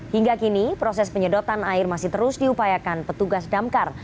hingga kini proses penyedotan air masih terus diupayakan petugas damkar